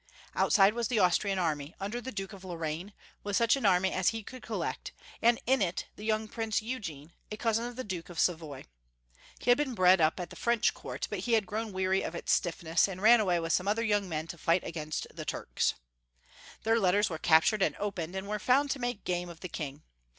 Outside was the Austrian army, under the Duke of Lorraine, with such an army as he could collect, and in it the young Prince Eugene, a cousin of the Duke of Savoy. Ho had been bred up at the French Court, but he had grown weary of its stiffness, and ran away with some other young men to fight against the Turks. Their let ters were captured and opened, and were found to make game of the King.